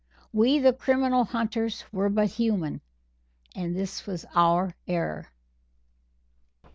We, the criminal hunters, were but human and this was our error.